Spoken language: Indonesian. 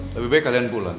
lebih baik kalian pulang